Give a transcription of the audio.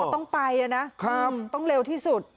ต้องไปนะต้องเร็วที่สุด